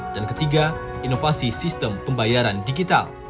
dan ketiga inovasi sistem pembayaran digital